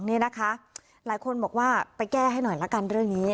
เนี่ยนะคะหลายคนบอกว่าไปแก้ให้หน่อยแล้วกันเรื่องนี้